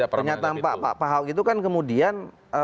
pernyataan pak ahok itu kan kemudian